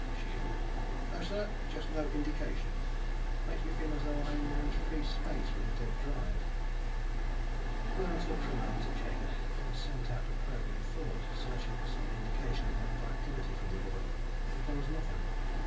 "Shield?" "No, sir. Just no indication. Makes me feel as though I were in free space with a dead drive." Kweiros looked for a moment at Jaeger, then sent out a probing thought, searching for some indication of mental activity from the boy. But there was nothing.